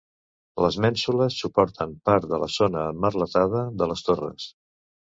Les mènsules suporten part de la zona emmerletada de les torres.